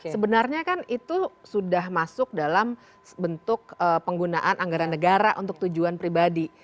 sebenarnya kan itu sudah masuk dalam bentuk penggunaan anggaran negara untuk tujuan pribadi